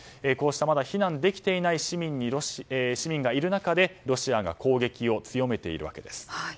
こうした、まだ避難できていない市民がいる中でロシアが攻撃を強めているわけです。